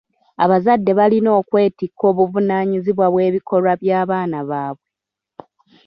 Abazadde balina okwetikka obuvunaanyizibwa bw'ebikolwa by'abaana baabwe.